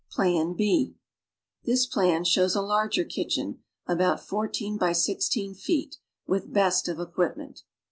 PLAN B This ])lan shows a larger kitchen, about fourteen by sixteen feet, with best of equipment.